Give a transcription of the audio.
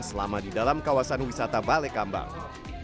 selama di dalam kawasan wisata balekambang